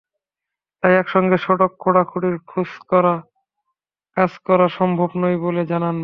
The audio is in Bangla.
তাই একসঙ্গে সড়ক খোঁড়াখুঁড়ির কাজ করা সম্ভব নয় বলে জানান মেয়র।